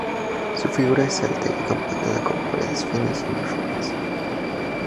Su figura es alta y acampanada con paredes finas y uniformes.